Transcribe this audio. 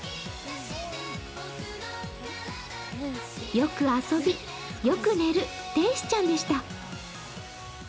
よく遊び、よく寝る天使ちゃんでした。